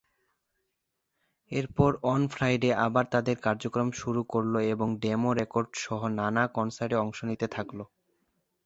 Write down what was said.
এরপর on a Friday আবার তাদের কার্যক্রম শুরু করল এবং ডেমো রেকর্ড করাসহ নানা কনসার্টে অংশ নিতে থাকল।